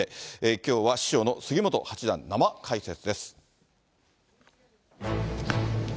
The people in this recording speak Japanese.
きょうは師匠の杉本八段、生解説です。